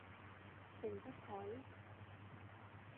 เซ็นเตอร์พอยท์